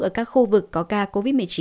ở các khu vực có ca covid một mươi chín